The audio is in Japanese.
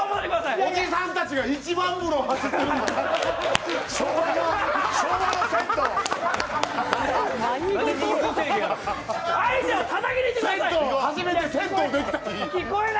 おじさんたちが一番風呂走ってるみたいな。